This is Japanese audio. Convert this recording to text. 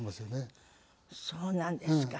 そうなんですか。